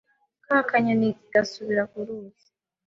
Ka kanyoni gasubira ku ruzi,